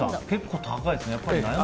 結構、高いですね。